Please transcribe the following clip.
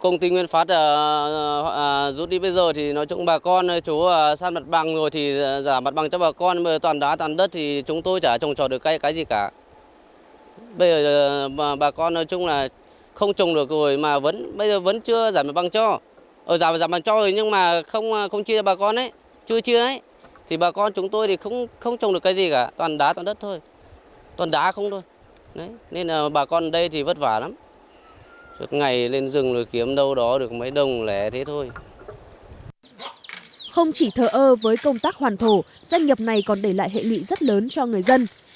không chỉ thờ ơ với công tác hoàn thổ doanh nghiệp này còn để lại hệ lị rất lớn cho người dân